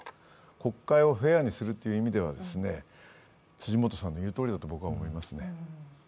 国会をフェアにするという意味では辻元さんの言うとおりだと思いますね。